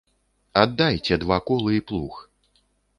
Аддайце два колы і плуг.